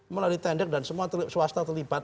melalui tender dan semua swasta terlibat